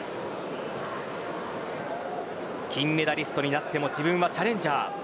金メダリストになっても自分はチャレンジャー。